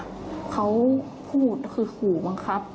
พี่เจ้ามาคิดแล้วได้เขาพูดคือผูมครับ